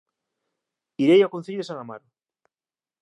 Irei ao Concello de San Amaro